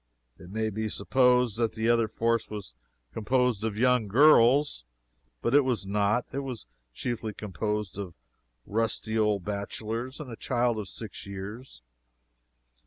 It may be supposed that the other fourth was composed of young girls. But it was not. It was chiefly composed of rusty old bachelors and a child of six years.